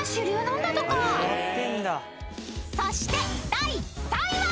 ［そして第３位は］